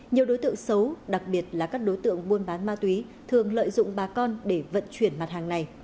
nhiều đối tượng xấu đặc biệt là các đối tượng buôn bán ma túy thường lợi dụng bà con để vận chuyển mặt hàng này